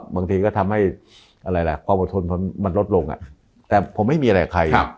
บางทีก็ทำให้อะไรล่ะความอดทนมันลดลงแต่ผมไม่มีอะไรกับใคร